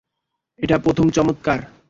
এটা প্রথম চমৎকার।